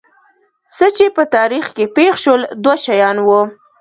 څه چې په تاریخ کې پېښ شول دوه شیان وو.